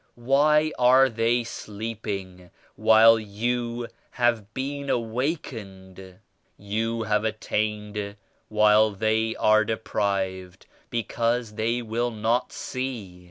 Why are they sleeping while you have been awakened? You have attained while they are deprived be cause they will not see.